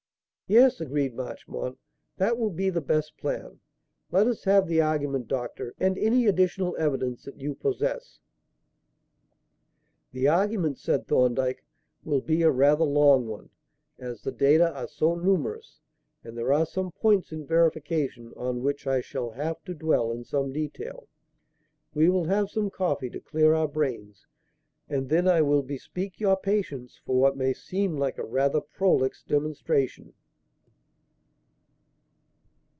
"Yes," agreed Marchmont, "that will be the best plan. Let us have the argument, Doctor, and any additional evidence that you possess." "The argument," said Thorndyke, "will be a rather long one, as the data are so numerous, and there are some points in verification on which I shall have to dwell in some detail. We will have some coffee to clear our brains, and then I will bespeak your patience for what may seem like a rather prolix demonstration."